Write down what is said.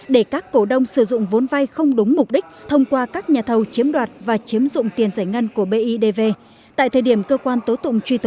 để các cổ đông sử dụng vụ